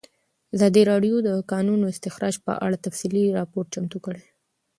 ازادي راډیو د د کانونو استخراج په اړه تفصیلي راپور چمتو کړی.